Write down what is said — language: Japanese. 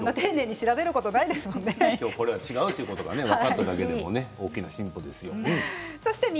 今日はこれが違うということが分かっただけでも大きな進歩です。